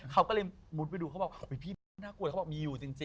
เขาก็เลยมุดไปดูเขาบอกพี่น่ากลัวเขาบอกมีอยู่จริง